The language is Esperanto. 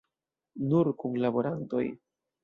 Nur kunlaborantoj.